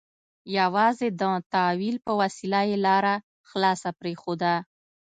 یوازې د تأویل په وسیله یې لاره خلاصه پرېښوده.